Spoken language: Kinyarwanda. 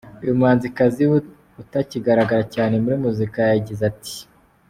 Uyu muhanzikazi utakigaragara cyane muri muzika, yagize ati:.